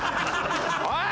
おい！